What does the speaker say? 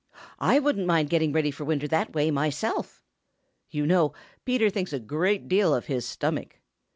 "I wouldn't mind getting ready for winter that way myself." You know Peter thinks a very great deal of his stomach.